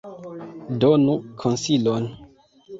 Donu konsilon!